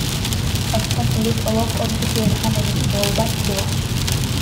Оттон урут олох ордук ыарахан эбит буолбат дуо